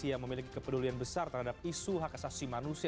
yang memiliki kepedulian besar terhadap isu hak asasi manusia